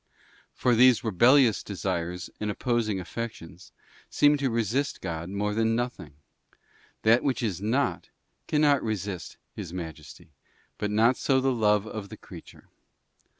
For these rebellious desires and opposing affections seem to resist God more than nothing: that which is not, cannot resist His Majesty, but not so the love of the creature.